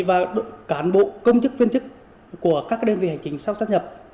và cán bộ công chức viên chức của các đơn vị hành trình sau sát nhập